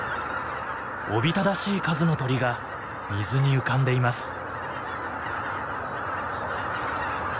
おびただしい数の鳥が水に浮かんでいます。